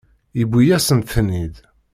Yewwi-yasent-ten-id.